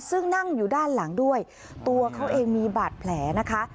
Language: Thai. ซึ่งนั่งอยู่ด้านหลังด้วยตัวเขาเองมีบาดแผลนะคะ